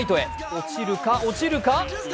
落ちるか、落ちるか？